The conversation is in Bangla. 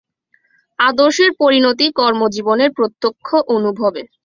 আদর্শের পরিণতি কর্মজীবনের প্রত্যক্ষ অনুভবে।